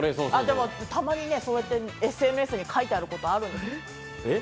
たまにそうやってＳＮＳに書いてあることがあるの。